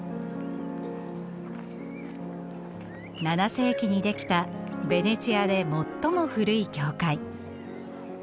７世紀にできたベネチアで最も古い教会。